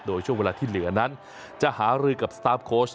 โดยช่วงเวลาที่เหลือนั้นจะหารือกับสตาร์ฟโค้ช